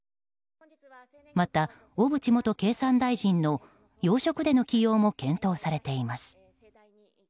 また、小渕元経産大臣の要職での起用も検討されています。